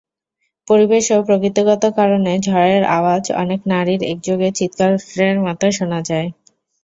পরিবেশ ও প্রকৃতিগত কারণে ঝড়ের আওয়াজ অনেক নারীর একযোগে চিৎকারের মত শোনা যায়।